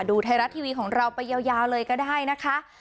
ดูไทยรัฐทีวีของเราไปยาวเลยก็ได้นะคะ